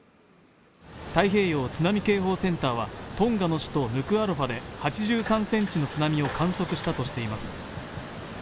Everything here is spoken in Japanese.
太平洋津波警報センターは、トンガの首都ヌクアロファで８３ｃｍの津波を観測したとしています。